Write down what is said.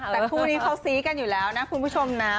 แต่คู่นี้เขาซี้กันอยู่แล้วนะคุณผู้ชมนะ